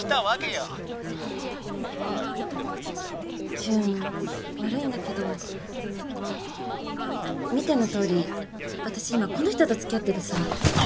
ジュン悪いんだけど見てのとおり私今この人と付き合っててさ。